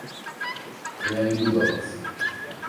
Я іду да вас.